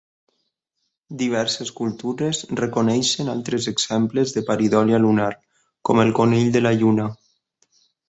Diverses cultures reconeixen altres exemples de paridòlia lunar, com el conill de la Lluna.